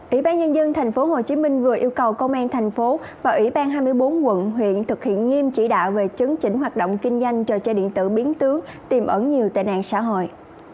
ủy ban nhân dân tp hcm vừa yêu cầu công an thành phố và ủy ban hai mươi bốn quận huyện thực hiện nghiêm chỉ đạo về chấn chỉnh hoạt động kinh doanh trò chơi điện tử biến tướng tìm ẩn nhiều tệ nạn xã hội